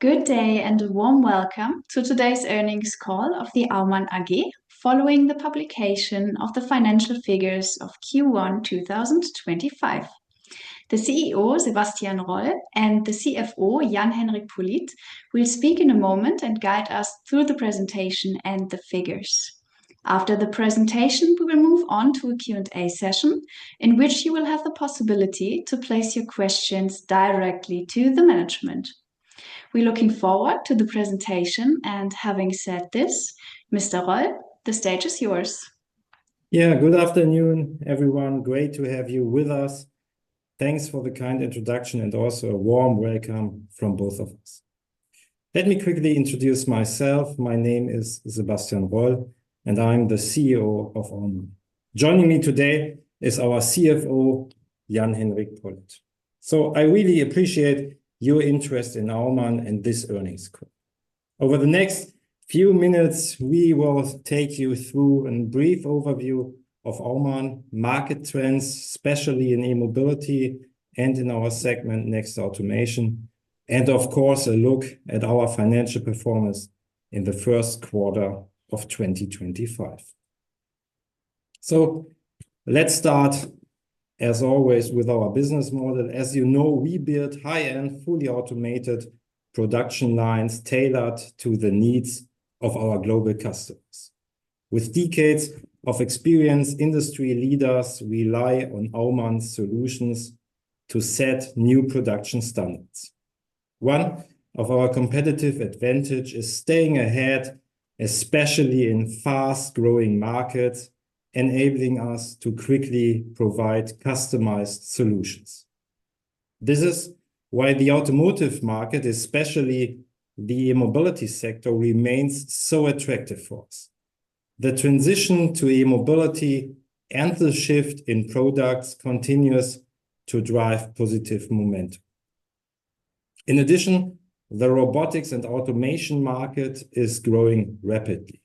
Good day and a warm welcome to today's earnings call of Aumann AG, following the publication of the financial figures of Q1 2025. The CEO, Sebastian Roll, and the CFO, Jan-Henrik Pollitt, will speak in a moment and guide us through the presentation and the figures. After the presentation, we will move on to a Q&A session in which you will have the possibility to place your questions directly to the management. We're looking forward to the presentation, and having said this, Mr. Roll, the stage is yours. Yeah, good afternoon, everyone. Great to have you with us. Thanks for the kind introduction and also a warm welcome from both of us. Let me quickly introduce myself. My name is Sebastian Roll, and I'm the CEO of Aumann. Joining me today is our CFO, Jan-Henrik Pollitt, so I really appreciate your interest in Aumann and this earnings call. Over the next few minutes, we will take you through a brief overview of Aumann, market trends, especially in e-mobility and in our segment, next automation, and of course, a look at our financial performance in the first quarter of 2025. Let's start, as always, with our business model. As you know, we build high-end, fully automated production lines tailored to the needs of our global customers. With decades of experience, industry leaders rely on Aumann's solutions to set new production standards. One of our competitive advantages is staying ahead, especially in fast-growing markets, enabling us to quickly provide customized solutions. This is why the automotive market, especially the e-mobility sector, remains so attractive for us. The transition to e-mobility and the shift in products continues to drive positive momentum. In addition, the robotics and automation market is growing rapidly,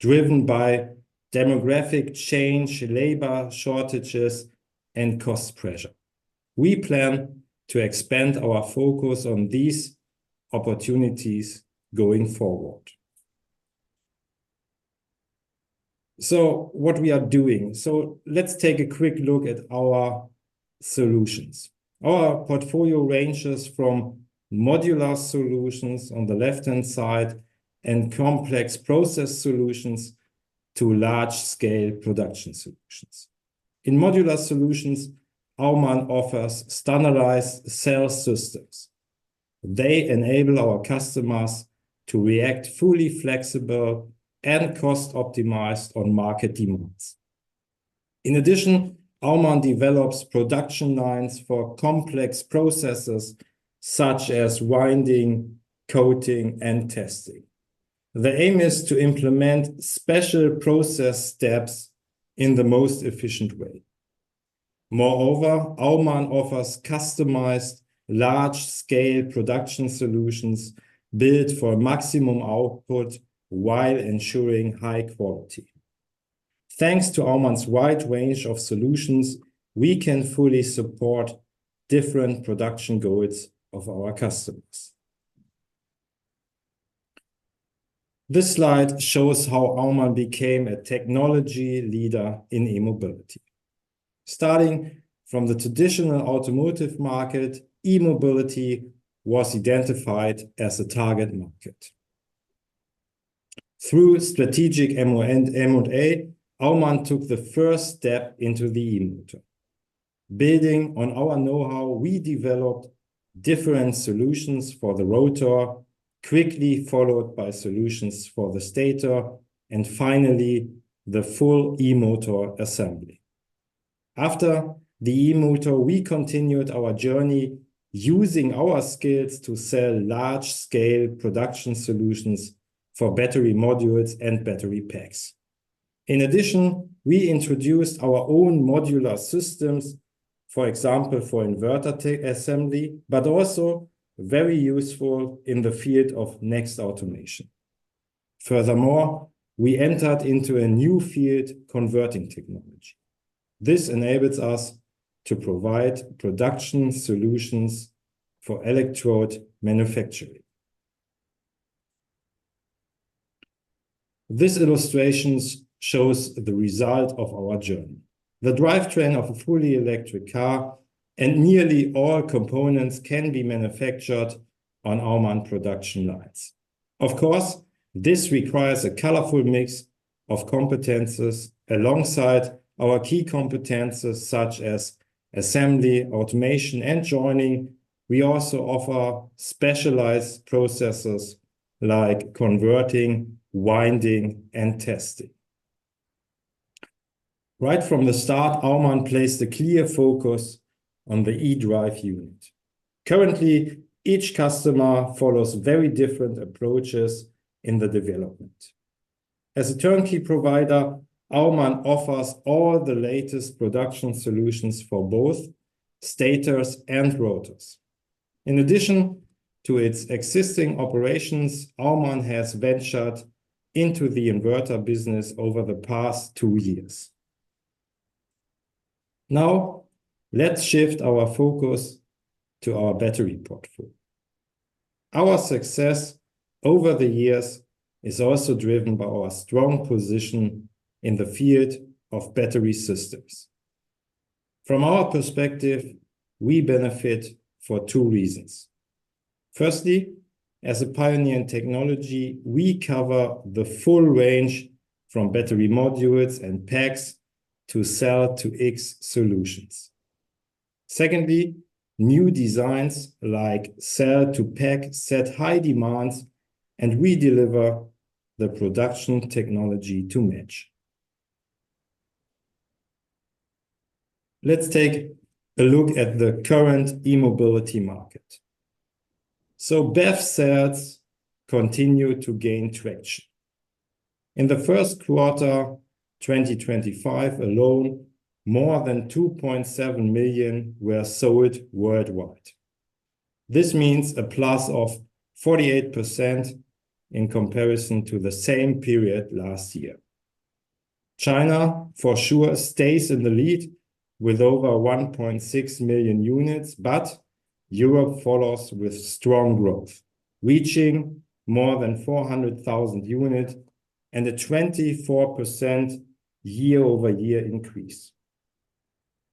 driven by demographic change, labor shortages, and cost pressure. We plan to expand our focus on these opportunities going forward. What we are doing, let's take a quick look at our solutions. Our portfolio ranges from modular solutions on the left-hand side and complex process solutions to large-scale production solutions. In modular solutions, Aumann offers standardized cell systems. They enable our customers to react fully flexible and cost-optimized on market demands. In addition, Aumann develops production lines for complex processes such as winding, coating, and testing. The aim is to implement special process steps in the most efficient way. Moreover, Aumann offers customized large-scale production solutions built for maximum output while ensuring high quality. Thanks to Aumann's wide range of solutions, we can fully support different production goals of our customers. This slide shows how Aumann became a technology leader in e-mobility. Starting from the traditional automotive market, e-mobility was identified as a target market. Through strategic M&A, Aumann took the first step into the e-motor. Building on our know-how, we developed different solutions for the rotor, quickly followed by solutions for the stator, and finally, the full e-motor assembly. After the e-motor, we continued our journey using our skills to sell large-scale production solutions for battery modules and battery packs. In addition, we introduced our own modular systems, for example, for inverter assembly, but also very useful in the field of next automation. Furthermore, we entered into a new field, converting technology. This enables us to provide production solutions for electrode manufacturing. This illustration shows the result of our journey. The drivetrain of a fully electric car and nearly all components can be manufactured on Aumann production lines. Of course, this requires a colorful mix of competencies. Alongside our key competencies such as assembly, automation, and joining, we also offer specialized processes like converting, winding, and testing. Right from the start, Aumann placed a clear focus on the eDrive unit. Currently, each customer follows very different approaches in the development. As a turnkey provider, Aumann offers all the latest production solutions for both stators and rotors. In addition to its existing operations, Aumann has ventured into the inverter business over the past two years. Now, let's shift our focus to our battery portfolio. Our success over the years is also driven by our strong position in the field of battery systems. From our perspective, we benefit for two reasons. Firstly, as a pioneer in technology, we cover the full range from battery modules and packs to cell-to-X solutions. Secondly, new designs like cell-to-pack set high demands, and we deliver the production technology to match. Let's take a look at the current e-mobility market. BEV cells continue to gain traction. In the first quarter 2025 alone, more than 2.7 million were sold worldwide. This means a plus of 48% in comparison to the same period last year. China, for sure, stays in the lead with over 1.6 million units, but Europe follows with strong growth, reaching more than 400,000 units and a 24% year-over-year increase.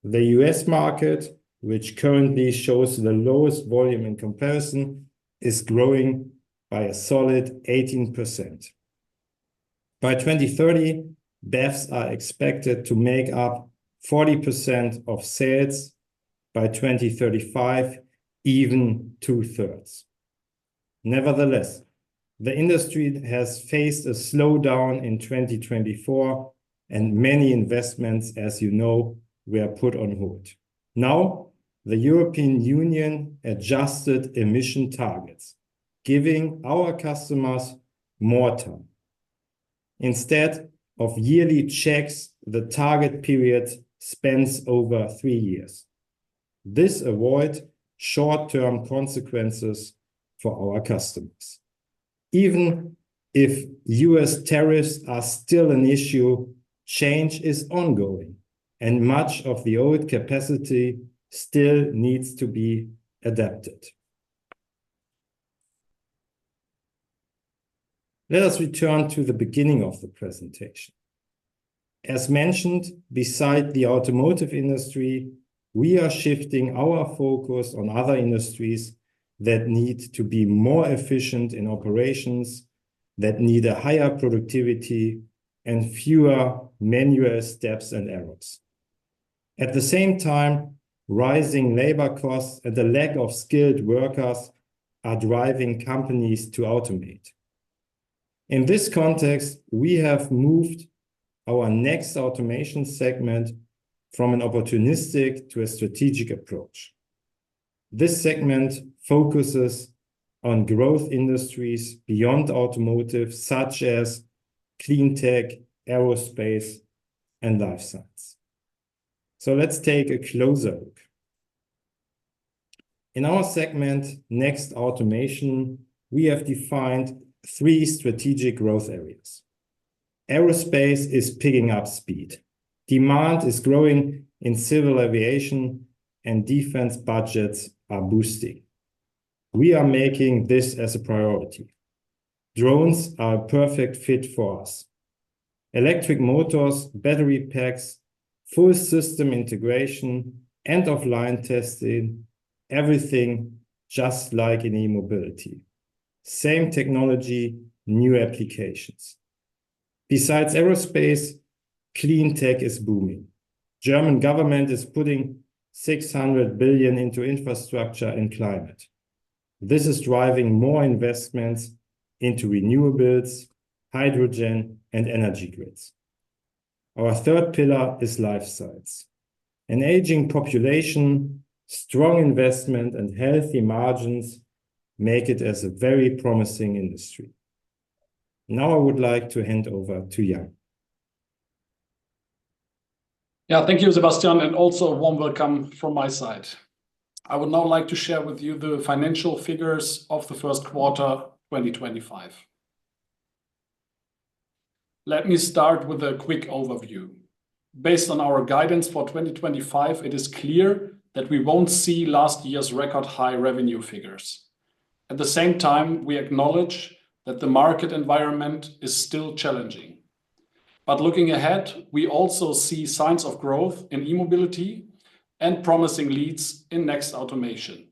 The U.S. market, which currently shows the lowest volume in comparison, is growing by a solid 18%. By 2030, BEVs are expected to make up 40% of sales. By 2035, even 2/3. Nevertheless, the industry has faced a slowdown in 2024, and many investments, as you know, were put on hold. Now, the European Union adjusted emission targets, giving our customers more time. Instead of yearly checks, the target period spans over three years. This avoids short-term consequences for our customers. Even if U.S. tariffs are still an issue, change is ongoing, and much of the old capacity still needs to be adapted. Let us return to the beginning of the presentation. As mentioned, beside the automotive industry, we are shifting our focus on other industries that need to be more efficient in operations, that need higher productivity, and fewer manual steps and errors. At the same time, rising labor costs and the lack of skilled workers are driving companies to automate. In this context, we have moved our next automation segment from an opportunistic to a strategic approach. This segment focuses on growth industries beyond automotive, such as clean tech, aerospace, and life science. Let us take a closer look. In our segment, next automation, we have defined three strategic growth areas. Aerospace is picking up speed. Demand is growing in civil aviation, and defense budgets are boosting. We are making this a priority. Drones are a perfect fit for us. Electric motors, battery packs, full system integration, end-of-line testing, everything just like in e-mobility. Same technology, new applications. Besides aerospace, clean tech is booming. The German government is putting 600 billion into infrastructure and climate. This is driving more investments into renewables, hydrogen, and energy grids. Our third pillar is life science. An aging population, strong investment, and healthy margins make it a very promising industry. Now I would like to hand over to Jan. Yeah, thank you, Sebastian, and also a warm welcome from my side. I would now like to share with you the financial figures of the first quarter 2025. Let me start with a quick overview. Based on our guidance for 2025, it is clear that we won't see last year's record high revenue figures. At the same time, we acknowledge that the market environment is still challenging. Looking ahead, we also see signs of growth in e-mobility and promising leads in next automation.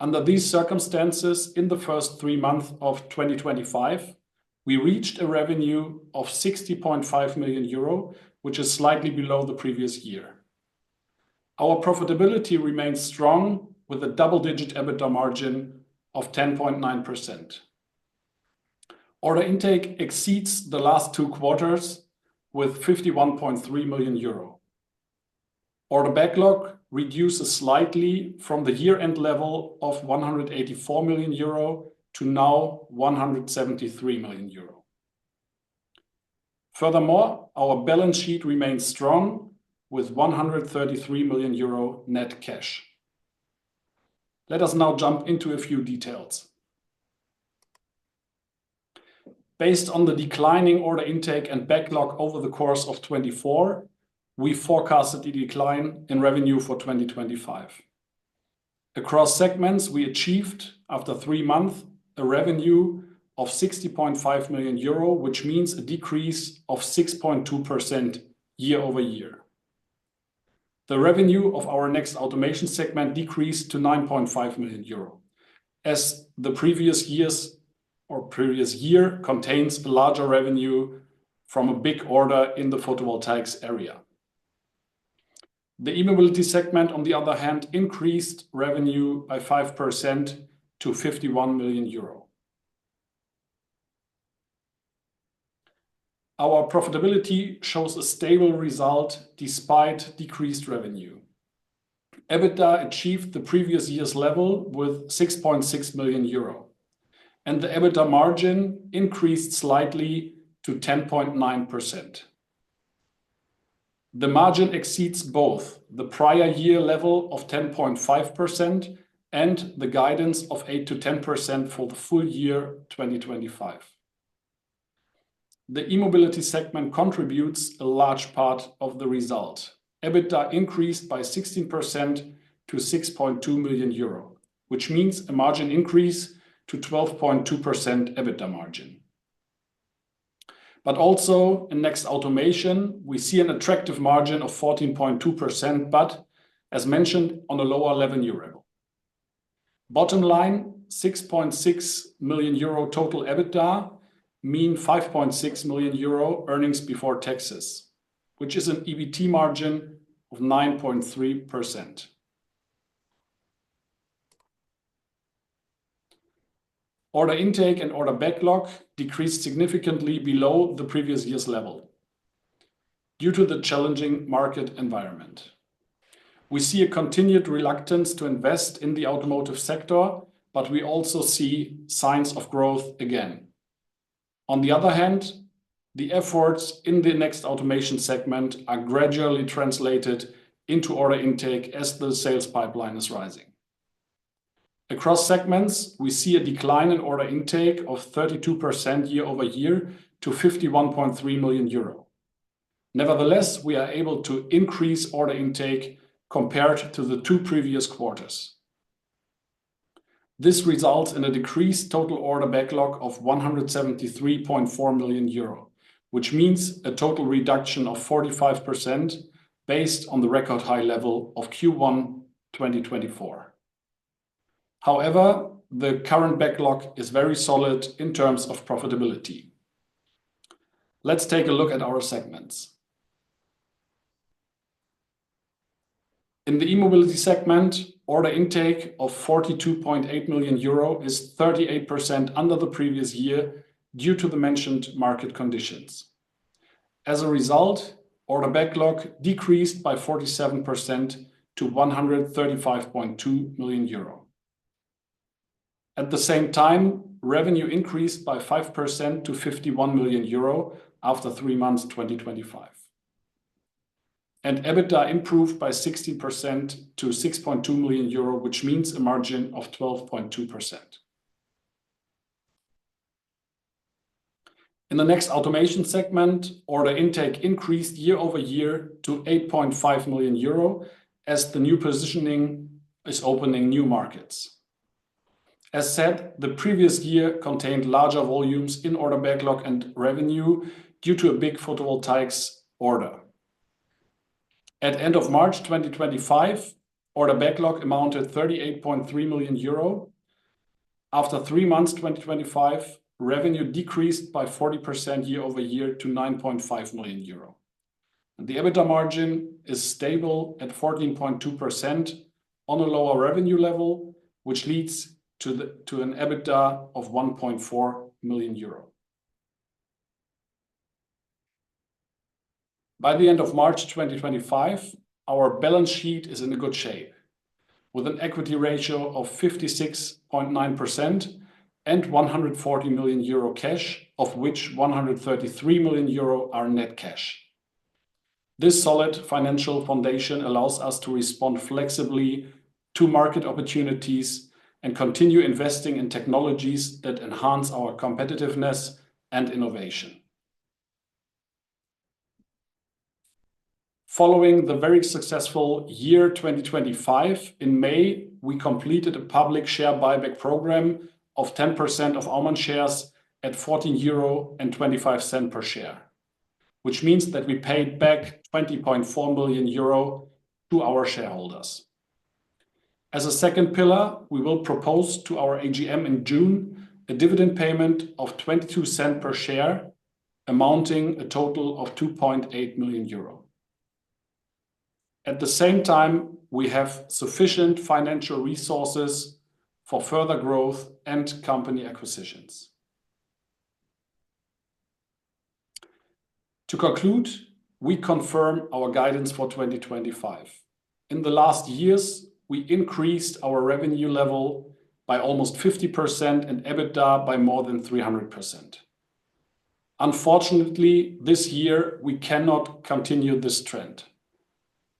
Under these circumstances, in the first three months of 2025, we reached a revenue of 60.5 million euro, which is slightly below the previous year. Our profitability remains strong with a double-digit EBITDA margin of 10.9%. Order intake exceeds the last two quarters with 51.3 million euro. Order backlog reduces slightly from the year-end level of 184 million euro to now 173 million euro. Furthermore, our balance sheet remains strong with 133 million euro net cash. Let us now jump into a few details. Based on the declining order intake and backlog over the course of 2024, we forecasted a decline in revenue for 2025. Across segments, we achieved, after three months, a revenue of 60.5 million euro, which means a decrease of 6.2% year-over-year. The revenue of our next automation segment decreased to 9.5 million euro, as the previous year or previous year contains a larger revenue from a big order in the photovoltaics area. The e-mobility segment, on the other hand, increased revenue by 5% to 51 million euro. Our profitability shows a stable result despite decreased revenue. EBITDA achieved the previous year's level with 6.6 million euro, and the EBITDA margin increased slightly to 10.9%. The margin exceeds both the prior year level of 10.5% and the guidance of 8%-10% for the full year 2025. The e-mobility segment contributes a large part of the result. EBITDA increased by 16% to 6.2 million euro, which means a margin increase to 12.2% EBITDA margin. Also, in next automation, we see an attractive margin of 14.2%, but, as mentioned, on a lower revenue level. Bottom line, 6.6 million euro total EBITDA means 5.6 million euro earnings before taxes, which is an EBIT margin of 9.3%. Order intake and order backlog decreased significantly below the previous year's level due to the challenging market environment. We see a continued reluctance to invest in the automotive sector, but we also see signs of growth again. On the other hand, the efforts in the next automation segment are gradually translated into order intake as the sales pipeline is rising. Across segments, we see a decline in order intake of 32% year-over-year to 51.3 million euro. Nevertheless, we are able to increase order intake compared to the two previous quarters. This results in a decreased total order backlog of 173.4 million euro, which means a total reduction of 45% based on the record high level of Q1 2024. However, the current backlog is very solid in terms of profitability. Let's take a look at our segments. In the e-mobility segment, order intake of 42.8 million euro is 38% under the previous year due to the mentioned market conditions. As a result, order backlog decreased by 47% to 135.2 million euro. At the same time, revenue increased by 5% to 51 million euro after three months 2025. EBITDA improved by 16% to 6.2 million euro, which means a margin of 12.2%. In the next automation segment, order intake increased year-over-year to 8.5 million euro as the new positioning is opening new markets. As said, the previous year contained larger volumes in order backlog and revenue due to a big photovoltaics order. At the end of March 2025, order backlog amounted to 38.3 million euro. After three months 2025, revenue decreased by 40% year-over-year to 9.5 million euro. The EBITDA margin is stable at 14.2% on a lower revenue level, which leads to an EBITDA of 1.4 million euro. By the end of March 2025, our balance sheet is in good shape, with an equity ratio of 56.9% and 140 million euro cash, of which 133 million euro are net cash. This solid financial foundation allows us to respond flexibly to market opportunities and continue investing in technologies that enhance our competitiveness and innovation. Following the very successful year 2025, in May, we completed a public share buyback program of 10% of Aumann shares at 14.25 euro per share, which means that we paid back 20.4 million euro to our shareholders. As a second pillar, we will propose to our AGM in June a dividend payment of 0.22 per share, amounting to a total of 2.8 million euro. At the same time, we have sufficient financial resources for further growth and company acquisitions. To conclude, we confirm our guidance for 2025. In the last years, we increased our revenue level by almost 50% and EBITDA by more than 300%. Unfortunately, this year, we cannot continue this trend.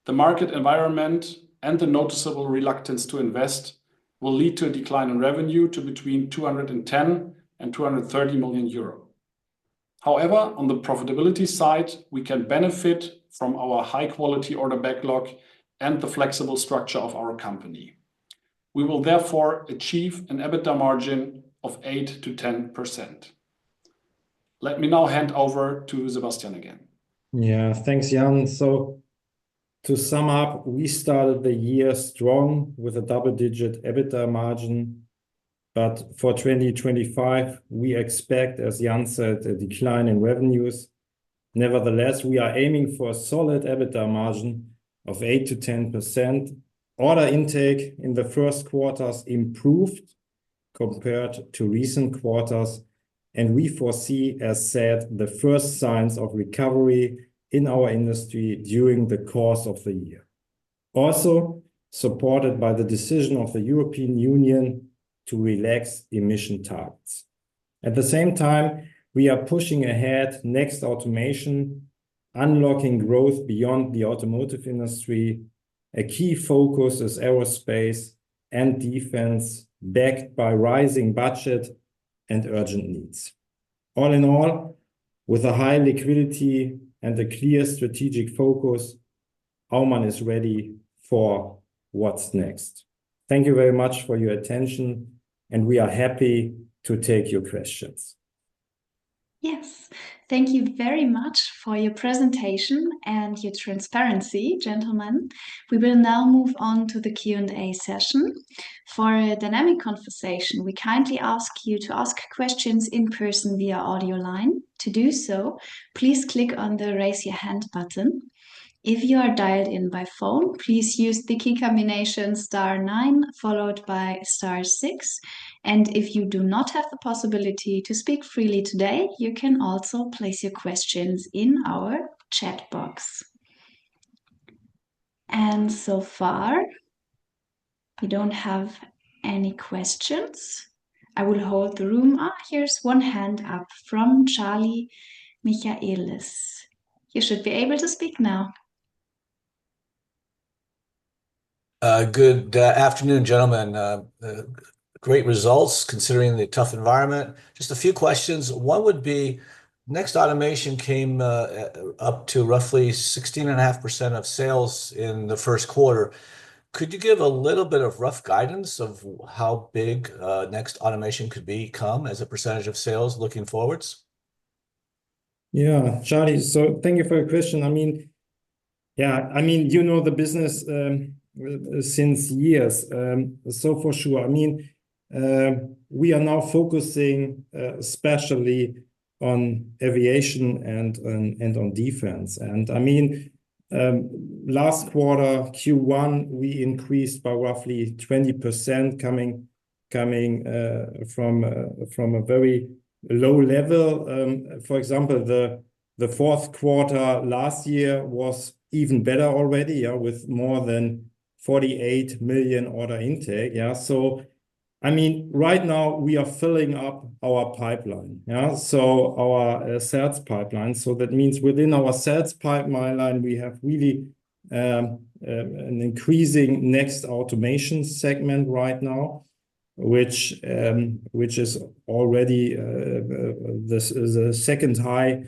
The market environment and the noticeable reluctance to invest will lead to a decline in revenue to between 210 million and 230 million euro. However, on the profitability side, we can benefit from our high-quality order backlog and the flexible structure of our company. We will therefore achieve an EBITDA margin of 8%-10%. Let me now hand over to Sebastian again. Yeah, thanks, Jan. To sum up, we started the year strong with a double-digit EBITDA margin, but for 2025, we expect, as Jan said, a decline in revenues. Nevertheless, we are aiming for a solid EBITDA margin of 8%-10%. Order intake in the first quarters improved compared to recent quarters, and we foresee, as said, the first signs of recovery in our industry during the course of the year, also supported by the decision of the European Union to relax emission targets. At the same time, we are pushing ahead next automation, unlocking growth beyond the automotive industry. A key focus is aerospace and defense, backed by rising budgets and urgent needs. All in all, with a high liquidity and a clear strategic focus, Aumann is ready for what's next. Thank you very much for your attention, and we are happy to take your questions. Yes, thank you very much for your presentation and your transparency, gentlemen. We will now move on to the Q&A session. For a dynamic conversation, we kindly ask you to ask questions in person via audio line. To do so, please click on the raise your hand button. If you are dialed in by phone, please use the key combination star nine followed by star six. If you do not have the possibility to speak freely today, you can also place your questions in our chat box. So far, we do not have any questions. I will hold the room. Here's one hand up from Charlie Michaelis. You should be able to speak now. Good afternoon, gentlemen. Great results considering the tough environment. Just a few questions. One would be, next automation came up to roughly 16.5% of sales in the first quarter. Could you give a little bit of rough guidance of how big next automation could become as a percentage of sales looking forwards? Yeah, Charlie, so thank you for your question. I mean, yeah, I mean, you know the business since years, so for sure. I mean, we are now focusing especially on aviation and on defense. And I mean, last quarter, Q1, we increased by roughly 20% coming from a very low level. For example, the fourth quarter last year was even better already, with more than 48 million order intake. Yeah, I mean, right now, we are filling up our pipeline, so our sales pipeline. That means within our sales pipeline, we have really an increasing next automation segment right now, which is already the second high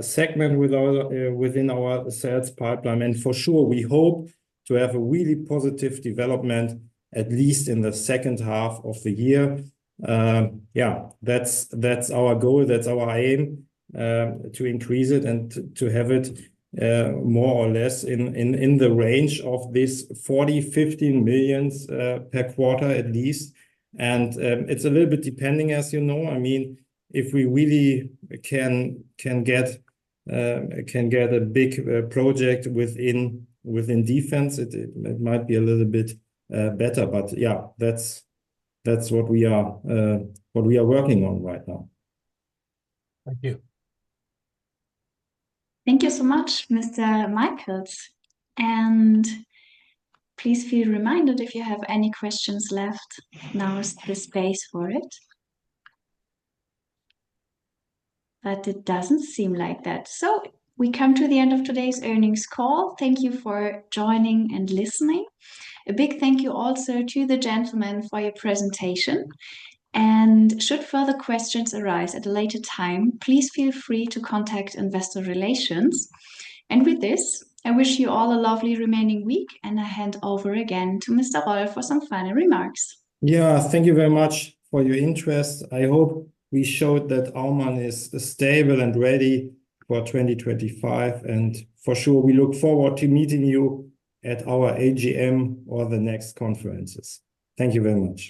segment within our sales pipeline. And for sure, we hope to have a really positive development, at least in the second half of the year. Yeah, that's our goal. That's our aim to increase it and to have it more or less in the range of 40 million-50 million per quarter at least. It's a little bit depending, as you know. I mean, if we really can get a big project within defense, it might be a little bit better. Yeah, that's what we are working on right now. Thank you. Thank you so much, Mr. Michaelis. Please feel reminded if you have any questions left. Now is the space for it. It does not seem like that. We come to the end of today's earnings call. Thank you for joining and listening. A big thank you also to the gentlemen for your presentation. Should further questions arise at a later time, please feel free to contact investor relations. With this, I wish you all a lovely remaining week, and I hand over again to Mr. Roll for some final remarks. Yeah, thank you very much for your interest. I hope we showed that Aumann is stable and ready for 2025. We look forward to meeting you at our AGM or the next conferences. Thank you very much.